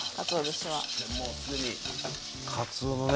そしてもう既にかつおのね